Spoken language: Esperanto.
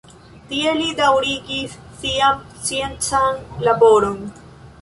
Tie li daŭrigis sian sciencan laboron.